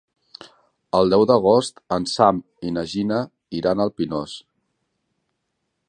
El deu d'agost en Sam i na Gina iran al Pinós.